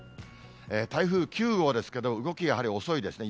台風９号ですけど、動きがやはり遅いですね。